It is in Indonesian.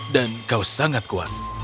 dan kau sangat kuat